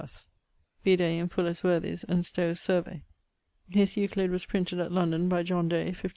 Vide in Fuller's Worthies and Stowe's Survey. His Euclid was printed at London by John Day, 1570.